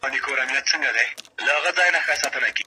د دلارام ولسوالي د واشېر او ګلستان ترمنځ نښلوونکې ده